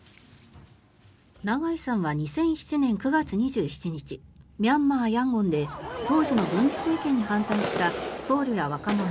長井さんは２００７年９月２７日ミャンマー・ヤンゴンで当時の軍事政権に反対した僧侶や若者